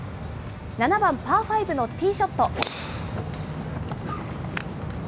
７番パーファイブのティーショット。